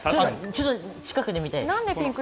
ちょっと近くで見たいです。